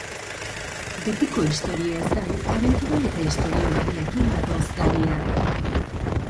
Betiko istorioez gain, abentura eta istorio berriekin datoz galiarrak.